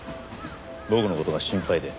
僕の事が心配で？